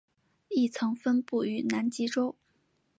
亦曾分布于南极洲。